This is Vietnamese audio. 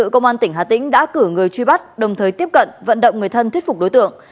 công an tỉnh hà tĩnh đã cử người truy bắt đồng thời tiếp cận vận động người thân thuyết phục đối tượng